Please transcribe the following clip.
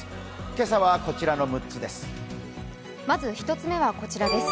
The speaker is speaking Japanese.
今朝はこちらの６つです。